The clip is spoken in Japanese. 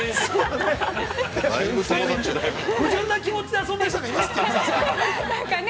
◆不純な気持ちで遊んでる人はいますかね。